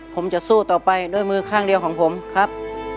ผมจะสู้ต่อไปด้วยมือข้างเดียวของผมครับ